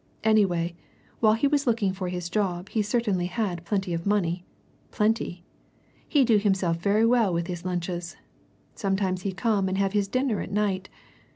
Anyway, while he was looking for his job he certainly had plenty of money plenty! He do himself very well with his lunches sometimes he come and have his dinner at night.